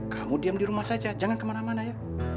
kamu diam di rumah saja jangan kemana mana ya